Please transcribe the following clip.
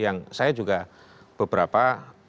yang saya juga beberapa